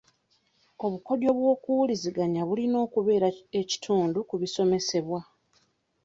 Obukodyo bw'okuwuliziganya bulina okubeera ekitundu ku bisomebwa.